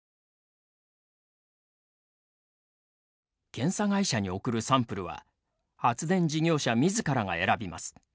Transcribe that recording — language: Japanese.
検査会社に送るサンプルは発電事業者みずからが、選びます。